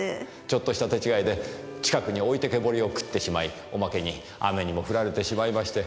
ちょっとした手違いで近くに置いてけぼりをくってしまいおまけに雨にも降られてしまいまして。